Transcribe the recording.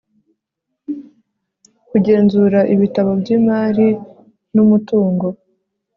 kugenzura ibitabo by imari n umutungo